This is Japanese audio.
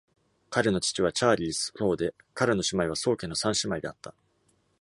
彼の父はチャーリー宋で、彼の姉妹は宋家の三姉妹であった。